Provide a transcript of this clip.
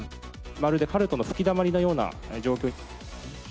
まるでカルトの吹きだまりのような状況。